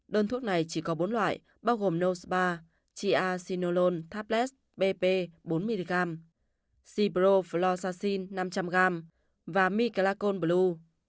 đơn thuốc này chỉ có bốn loại bao gồm nosebar chia sinolone tablet bp bốn mươi g cibroflossacin năm trăm linh g và mycalacone blue